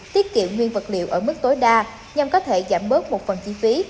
tiết kiệm nguyên vật liệu ở mức tối đa nhằm có thể giảm bớt một phần chi phí